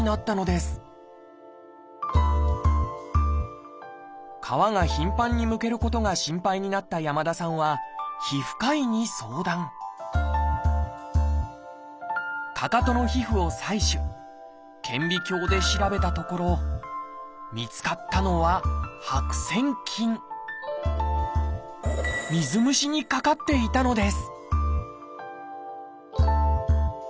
しかしその皮が頻繁にむけることが心配になった山田さんは皮膚科医に相談かかとの皮膚を採取顕微鏡で調べたところ見つかったのは水虫にかかっていたのです